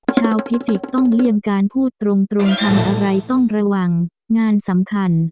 พิจิกษ์ต้องเลี่ยงการพูดตรงทำอะไรต้องระวังงานสำคัญ